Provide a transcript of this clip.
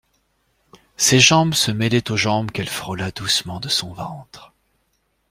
Ses jambes se mêlaient aux jambes qu'elle frôla doucement de son ventre.